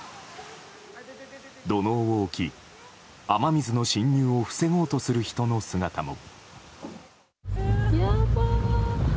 土のうを置き、雨水の浸入を防ごうとする人の姿も。